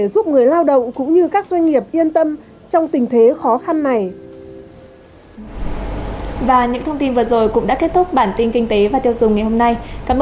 cũng như các doanh nghiệp yên tâm trong tình thế khó khăn này